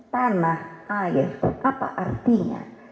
tanah air apa artinya